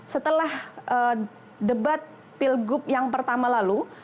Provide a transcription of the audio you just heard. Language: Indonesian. setelah debat pilgub yang pertama lalu